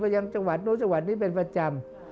ยังจังหวัดนู้นจังหวัดนี้เป็นประจำ